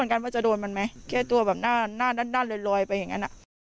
กันว่าจะโดนมันไหมแก้ตัวแบบหน้าด้านลอยไปอย่างนั้นอ่ะ